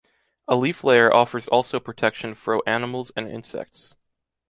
A leaf layer offers also protection fro animals and insects.